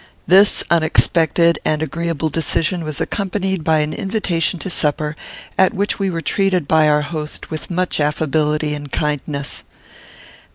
This unexpected and agreeable decision was accompanied by an invitation to supper, at which we were treated by our host with much affability and kindness.